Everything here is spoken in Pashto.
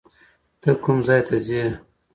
ته کوم ځای ته ځې؟